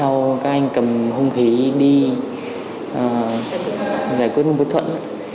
sau các anh cầm hung khí đi giải quyết vụ vụ thuẫn